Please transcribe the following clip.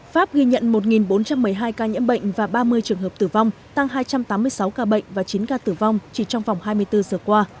pháp ghi nhận một bốn trăm một mươi hai ca nhiễm bệnh và ba mươi trường hợp tử vong tăng hai trăm tám mươi sáu ca bệnh và chín ca tử vong chỉ trong vòng hai mươi bốn giờ qua